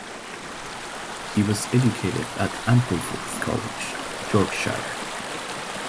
He was educated at Ampleforth College, Yorkshire.